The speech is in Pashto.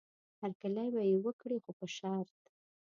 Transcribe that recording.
هرکلی به یې وکړي خو په شرط.